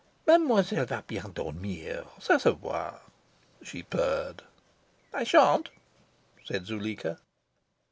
"Mademoiselle va bien dormir ca se voit," she purred. "I shan't," said Zuleika.